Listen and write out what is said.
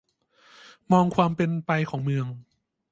มองความเป็นไปของเมือง